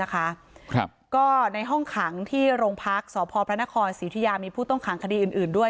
ก็ในห้องขังที่โรงพักษ์สพภศิริยามีผู้ต้องขังคดีอื่นด้วย